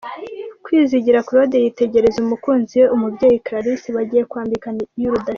Kwizigira Claude yitegereza umukunzi we Umubyeyi Clarisse bagiye kwambikana iy'urudashira.